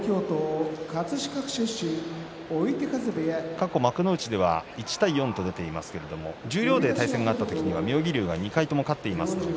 過去、幕内では１対４と出ていますが十両で対戦があった時は妙義龍が２回とも勝っています。